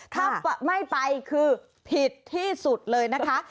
ถ้าไม่ไปคือผิดที่สุดเลยนะคะ